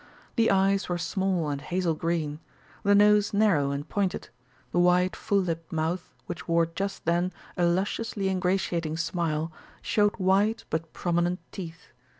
The eyes were small and hazel green; the nose narrow and pointed, the wide, full lipped mouth, which wore just then a lusciously ingratiating smile, showed white but prominent teeth.